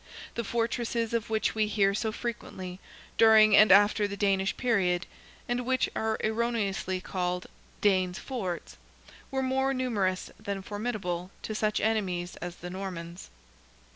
The fortresses of which we hear so frequently, during and after the Danish period, and which are erroneously called Danes' forts, were more numerous than formidable to such enemies as the Normans.